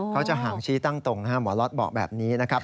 เขาจะหางชี้ตั้งตรงหมอรอดบอกแบบนี้นะครับ